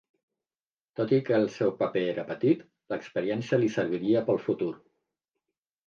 Tot i que el seu paper era petit, l'experiència li serviria pel futur.